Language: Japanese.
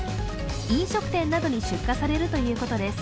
飲食店などに出荷されるということです。